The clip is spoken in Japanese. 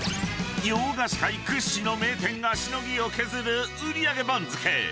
［洋菓子界屈指の名店がしのぎを削る売上番付］